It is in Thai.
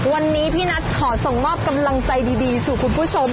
วันนี้พี่นัทขอส่งมอบกำลังใจดีสู่คุณผู้ชม